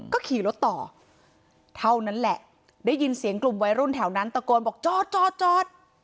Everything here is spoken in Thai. ก็ขี่รถต่อเท่านั้นแหละได้ยินเสียงกลุ่มวัยรุ่นแถวนั้นตะโกนบอกจอดจอด